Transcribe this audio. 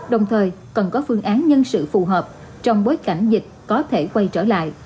đồng thời cần có phương án nhân sự phù hợp trong bối cảnh dịch có thể quay trở lại